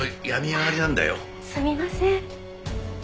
すみません。